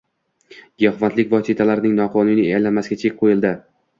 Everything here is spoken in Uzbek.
Giyohvandlik vositalarining noqonuniy aylanmasiga chek qo‘yilding